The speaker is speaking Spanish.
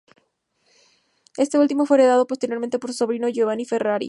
Este último fue heredado posteriormente por su sobrino Giovanni Ferrari.